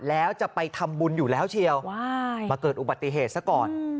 แล้วจะไปทำบุญอยู่แล้วเชียวมาเกิดอุบัติเหตุซะก่อน